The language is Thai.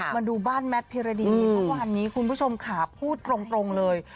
มาดูบ้านแมทพิรดีเมื่อวานนี้คุณผู้ชมค่ะพูดตรงเลย